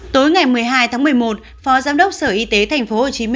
tối ngày một mươi hai tháng một mươi một phó giám đốc sở y tế tp hcm